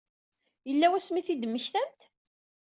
Yella wasmi i t-id-temmektam?